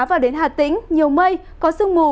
vào đến hà tĩnh nhiều mây có sương mù